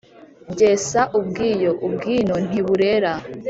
Gesa ubw’iyo, ubw'ino ntiburera.